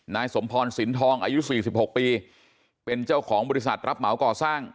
นายสมพรสินทองอายุ๔๖ปีเป็นเจ้าของบริษัทรับเหมาก่อสร้าง